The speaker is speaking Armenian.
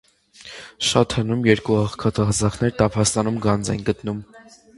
Շատ հնում երկու աղքատ ղազախներ տափաստանում գանձ են գտնում։